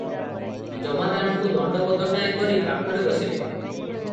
ଜମାଦାରଙ୍କୁ ଦଣ୍ଡବତଟାଏ କରି ପାଖରେ ବସିଲେ ।